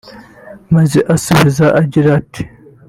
maze asubiza gira ati